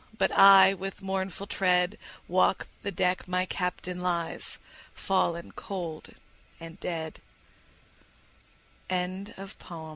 But I, with mournful tread, Walk the deck my Captain lies, Fallen cold and d